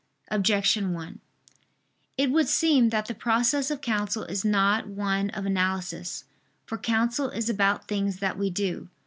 Objection 1: It would seem that the process of counsel is not one of analysis. For counsel is about things that we do.